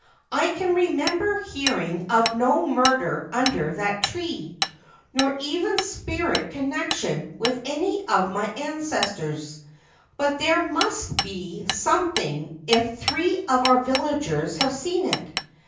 'I can remember hearing of no murder under that tree, nor even spirit connection with any of my ancestors ; but there must be something if three of our villagers have seen it.